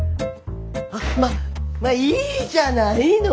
あっまあまあいいじゃないの。